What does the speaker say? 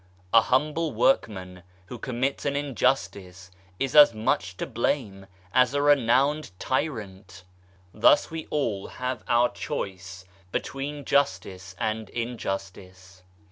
A humble workman who commits an injustice is as much to blame as a renowned tyrant. Thus we all have our choice between justice and injustice.